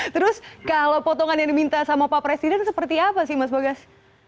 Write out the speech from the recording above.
terus kalau potongan yang diminta sama pak presiden seperti apa sih mas bogas